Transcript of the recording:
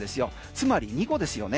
つまり２個ですよね。